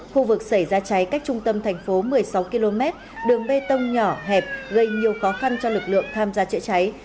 khu vực xảy ra cháy cách trung tâm thành phố một mươi sáu km đường bê tông nhỏ hẹp gây nhiều khó khăn cho lực lượng tham gia chữa cháy